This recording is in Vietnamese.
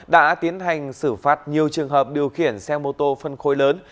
đã tiến hành xử phạt nhiều trường hợp điều khiển xe mô tô phân khối lớn